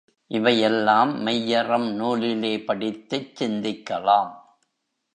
இவையெல்லாம் மெய்யறம் நூலிலே படித்துச் சிந்திக்கலாம்.